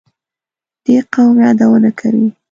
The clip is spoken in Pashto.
دې قوم یادونه کوي.